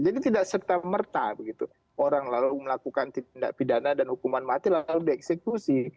jadi tidak serta merta begitu orang lalu melakukan tindak pidana dan hukuman mati lalu dieksekusi